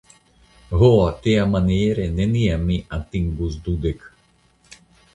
Ho, tiamaniere neniam mi atingus dudek!